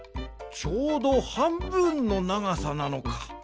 ちょうどはんぶんのながさなのか。